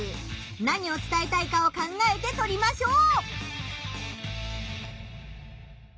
何をつたえたいかを考えて撮りましょう！